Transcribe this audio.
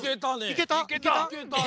いけた？